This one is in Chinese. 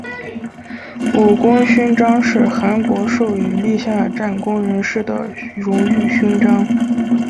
武功勋章是韩国授予立下战功人士的荣誉勋章。